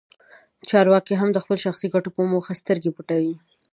چارواکي هم د خپلو شخصي ګټو په موخه سترګې پټوي.